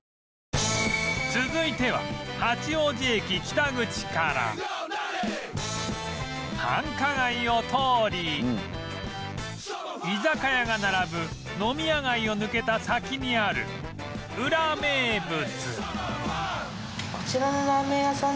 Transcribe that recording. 続いては繁華街を通り居酒屋が並ぶ飲み屋街を抜けた先にあるウラ名物